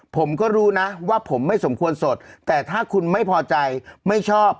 ผมก็รู้นะว่าผมไม่สมควรสดแต่ถ้าคุณไม่พอใจไม่ชอบ